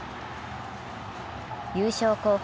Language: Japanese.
優勝候補